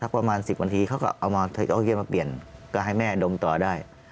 ประมาณ๑๐นาทีเขาก็เอามาโอเคมาเปลี่ยนก็ให้แม่ดมต่อได้